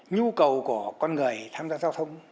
nhu cầu của con người tham gia giao thông